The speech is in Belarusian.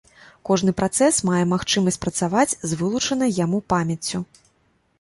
Кожны працэс мае магчымасць працаваць з вылучанай яму памяццю.